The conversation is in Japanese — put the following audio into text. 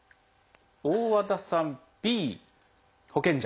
大和田さんＢ保険者。